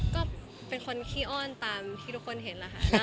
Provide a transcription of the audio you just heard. ก็เป็นคนขี้อ้อนตามที่ทุกคนเห็นนะคะน่ารักดี